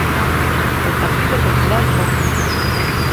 ¡Ah, o Partido Popular non!